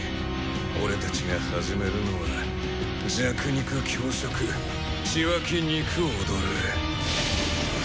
俺たちが始めるのは弱肉強食血湧き肉躍る。